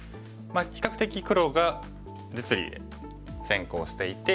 比較的黒が実利で先行していて。